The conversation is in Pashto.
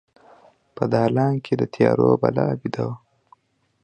په دالان کې د تیارو بلا بیده وه